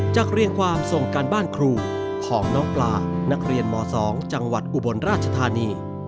เรียนความส่งการบ้านครูของน้องปลานักเรียนม๒จังหวัดอุบลราชธานี